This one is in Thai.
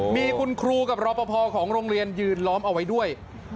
มีคุณครูกับรอปภของโรงเรียนยืนล้อมเอาไว้ด้วย